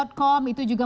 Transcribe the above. itu juga merupakan